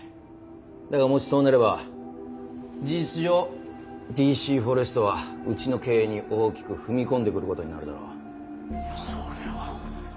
だがもしそうなれば事実上ＤＣフォレストはうちの経営に大きく踏み込んでくることになるだろう。それは。